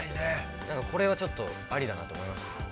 なんか、これはちょっとありだなと思いました。